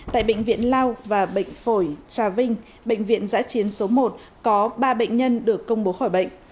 tại bệnh viện lao và bệnh phổi trà vinh bệnh viện giã chiến số một có ba bệnh nhân được công bố khỏi bệnh